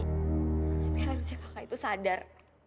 tapi harusnya kakak itu sadar